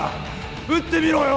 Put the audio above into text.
撃ってみろよ